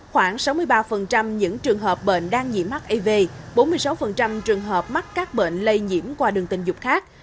khoảng sáu mươi ba những trường hợp bệnh đang nhị mắc av bốn mươi sáu trường hợp mắc các bệnh lây nhiễm qua đường tình dục khác